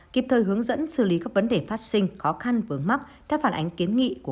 kịp thời hướng dẫn xử lý các vấn đề phát sinh khó khăn vướng mắc theo phản ánh kiến nghị của